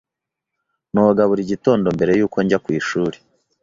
Noga buri gitondo mbere yuko njya ku ishuri.